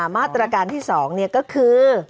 มาตรการที่๒เนี่ยก็คือ